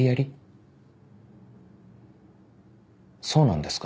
そうなんですか？